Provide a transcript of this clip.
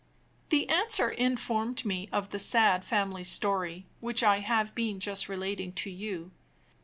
The answer informed me of the sad family story, which I have been just relating to you.